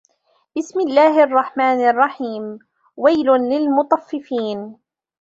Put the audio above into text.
بِسمِ اللَّهِ الرَّحمنِ الرَّحيمِ وَيلٌ لِلمُطَفِّفينَ